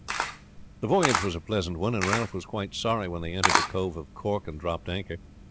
The voyage was a pleasant one, and Ralph was quite sorry when they entered the Cove of Cork and dropped anchor.